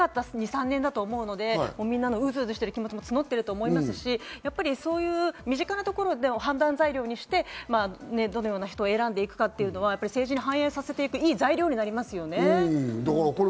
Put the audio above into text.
旅行になかなか行けなかった２３年だと思うので、みんなのうずうずしてる気持ちも募ってると思いますし、身近なところの判断材料にして、どのような人を選んでいくかっていうのは政治に反映させていくいい材料になりますよね。